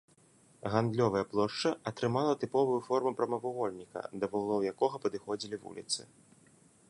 Гандлёвая плошча атрымала тыповую форму прамавугольніка, да вуглоў якога падыходзілі вуліцы.